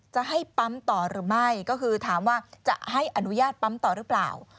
จะให้ปั๊มต่อหรือไม่ก็คือถามว่าจะให้อนุญาตปั๊มต่อหรือเปล่า